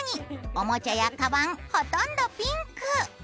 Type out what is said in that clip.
おもちゃやかばんほとんどピンク。